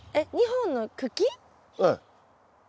２本の茎。